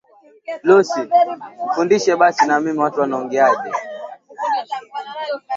Leo nitaenda sokoni